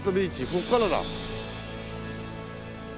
ここからだ。